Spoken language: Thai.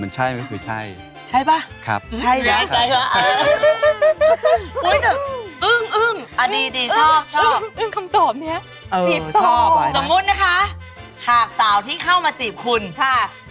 สมมตินะคะหากสาวที่เข้ามาจีบจะคือ